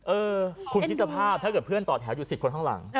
เออคุณคิดสภาพถ้าเกิดเพื่อนต่อแถวอยู่๑๐คนข้างหลัง